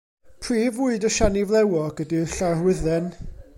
Prif fwyd y siani flewog ydy'r llarwydden.